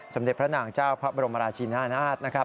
สำเด็จพระหน่างเจ้าพระบรมราชินาณาศ